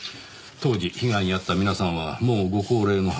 当時被害に遭った皆さんはもうご高齢のはずですねぇ。